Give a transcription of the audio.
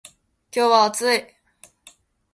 今日は暑い。